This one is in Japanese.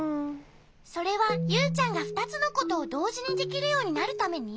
それはユウちゃんがふたつのことをどうじにできるようになるために？